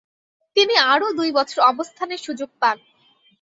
তিনি আরও দুই বছর অবস্থানের সুযোগ পান।